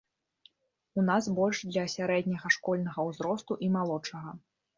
У нас больш для сярэдняга школьнага ўзросту і малодшага.